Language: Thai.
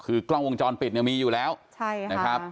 คือกล้องวงจรปิดเนี่ยมีอยู่แล้วนะครับ